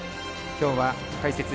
きょうは解説